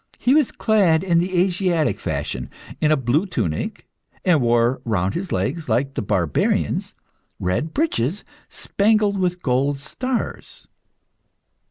He was clad, in the Asiatic fashion, in a blue tunic, and wore round his legs, like the barbarians, red breeches, spangled with gold stars.